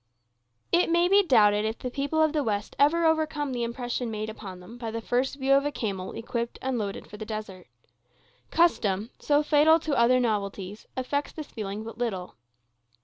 It may be doubted if the people of the West ever overcome the impression made upon them by the first view of a camel equipped and loaded for the desert. Custom, so fatal to other novelties, affects this feeling but little.